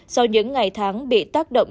sau những ngày tháng bị tác động